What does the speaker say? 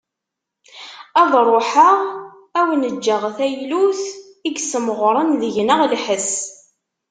Ad ruḥeγ ad awen-ğğeγ taylut i yesmeγren deg-neγ lḥes.